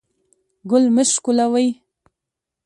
ګل مه شکولوئ